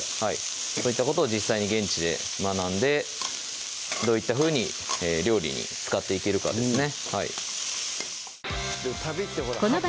そういったことを実際に現地で学んでどういったふうに料理に使っていけるかですね